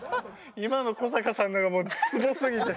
今の古坂さんのがもうツボすぎて。